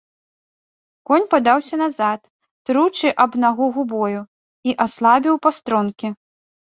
Конь падаўся назад, тручы аб нагу губою, і аслабіў пастронкі.